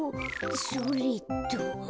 それっと。